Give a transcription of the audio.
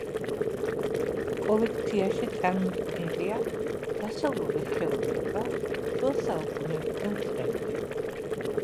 კოლექციაში წარმოდგენილია დასავლური ხელოვნება შუა საუკუნეებიდან დღემდე.